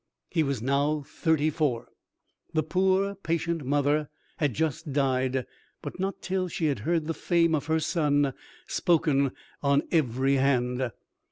He was now thirty four. The poor, patient mother had just died, but not till she had heard the fame of her son spoken on every hand.